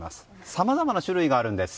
さまざまな種類があるんです。